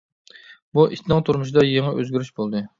بۇ ئىتنىڭ تۇرمۇشىدا يېڭى ئۆزگىرىش بولدى.